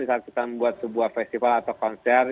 saat kita membuat sebuah festival atau konser